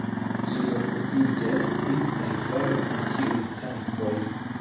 Ili okupiĝas pri riparo de ĉiuj tankoj.